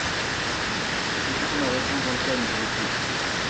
Écoutons la réponse dans le calme, je vous prie.